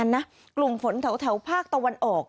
สวัสดีค่ะรุ่นก่อนเวลาเหนียวกับดาวสุภาษฎรามมาแล้วค่ะ